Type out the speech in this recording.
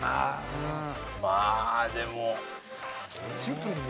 まあでも。